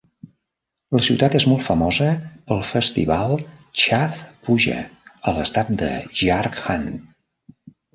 La ciutat és molt famosa pel festival "Chath puja" a l'estat de Jharkhand.